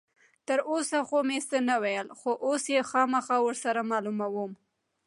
تر اوسه خو مې څه نه ویل، خو اوس یې خامخا ور سره معلوموم.